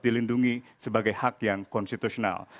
dilindungi sebagai hak yang konstitusional